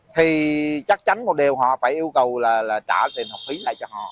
thì chắc chắn một điều họ phải yêu cầu là trả tiền học phí lại cho họ